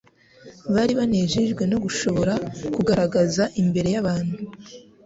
Bari banejejwe no gushobora kugaragaza imbere y'abantu